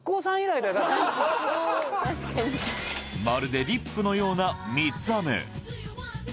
まるでリップのようなみつあめ